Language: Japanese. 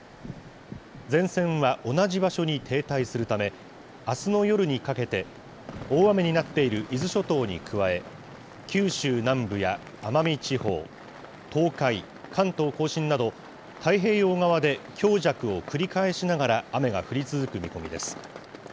前線は同じ場所に停滞するため、あすの夜にかけて大雨になっている伊豆諸島に加え、九州南部や奄美地方、東海、関東甲信など、太平洋側で強弱を繰り返しながら雨が降り続く見込みです。